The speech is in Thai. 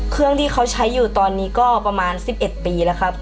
เครื่องที่เขาใช้อยู่ตอนนี้ก็ประมาณ๑๑ปีแล้วครับ